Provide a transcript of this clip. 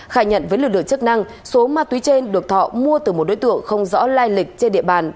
khai nhận với lực lượng chức năng số ma túy trên được thọ mua từ một đối tượng không rõ lai lịch trên địa bàn